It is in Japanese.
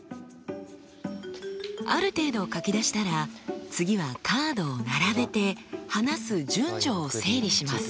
ある程度書き出したら次はカードを並べて話す順序を整理します。